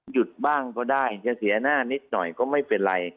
หยุดบ้างก็ได้จะเสียหน้านิดหน่อยก็ไม่เป็นไร